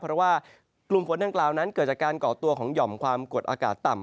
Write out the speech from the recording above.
เพราะว่ากลุ่มฝนดังกล่าวนั้นเกิดจากการก่อตัวของหย่อมความกดอากาศต่ำ